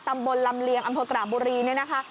ตำบลลำเลียงอำเภอกระบุรีเนี่ยนะคะ